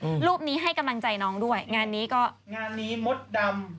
อืมรูปนี้ให้กำลังใจน้องด้วยงานนี้ก็งานนี้มดดำ